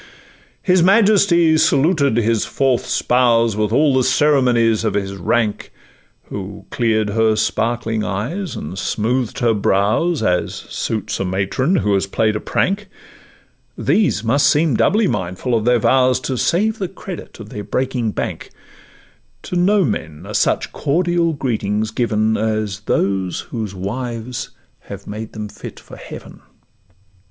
His majesty saluted his fourth spouse With all the ceremonies of his rank, Who clear'd her sparkling eyes and smooth'd her brows, As suits a matron who has play'd a prank; These must seem doubly mindful of their vows, To save the credit of their breaking bank: To no men are such cordial greetings given As those whose wives have made them fit for heaven.